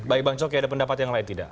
baik bang coki ada pendapat yang lain tidak